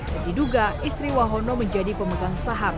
dan diduga istri wahono menjadi pemegang saham